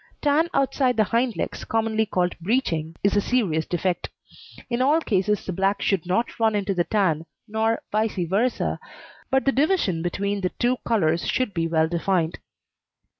Tan outside the hind legs commonly called breeching is a serious defect. In all cases the black should not run into the tan, nor vice versa, but the division between the two colours should be well defined.